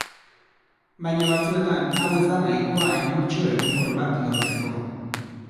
Baina batzuetan hau ez da nahikoa emultsio egonkor bat lortzeko.